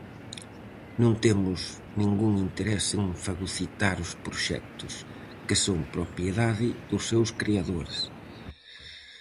Non temos ningún interese en fagocitar os proxectos, que son propiedade dos seus creadores.